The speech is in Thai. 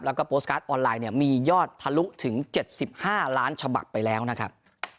แล้วก็โพสต์การ์ดออนไลน์เนี่ยมียอดทะลุถึง๗๕ล้านฉบับไปแล้วนะครับ